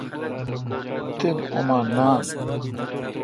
تین اوما ناین۔